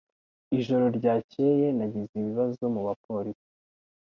Ijoro ryakeye nagize ibibazo mubapolisi.